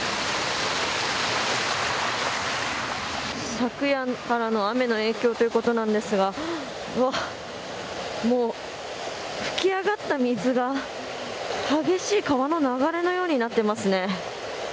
昨夜からの雨の影響ということなんですが噴き上がった水が激しい川の流れのようになっていますね。